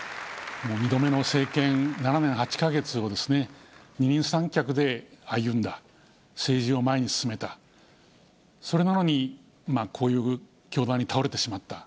２度目の政権、７年８か月を二人三脚で歩んだ、政治を前に進めた、それなのに、こういう凶弾に倒れてしまった。